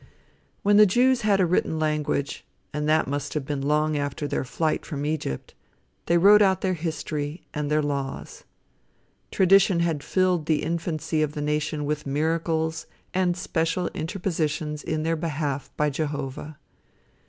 When the Jews had a written language, and that must have been long after their flight from Egypt, they wrote out their history and their laws. Tradition had filled the infancy of the nation with miracles and special interpositions in their behalf by Jehovah.